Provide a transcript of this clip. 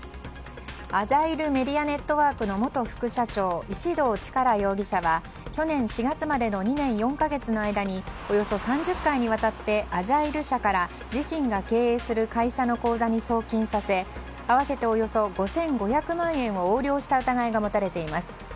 アジャイルメディア・ネットワークの元副社長石動力容疑者は去年４月までの２年４か月の間におよそ３０回にわたってアジャイル社から自身が経営する会社の口座に送金させ合わせておよそ５５００万円を横領た疑いが持たれています。